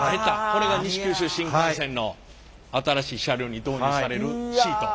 これが西九州新幹線の新しい車両に導入されるシート。